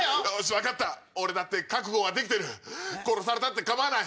分かった俺だって覚悟できてる殺されたって構わない。